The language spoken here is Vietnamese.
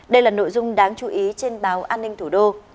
đây là nội dung đáng chú ý trên báo an ninh thủ đô